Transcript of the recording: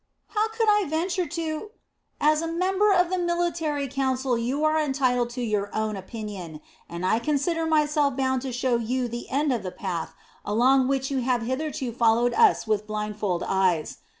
"How could I venture to...." "As a member of the military council you are entitled to your own opinion, and I consider myself bound to show you the end of the path along which you have hitherto followed us with blindfold eyes.